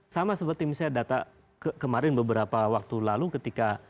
sama seperti misalnya data kemarin beberapa waktu lalu ketika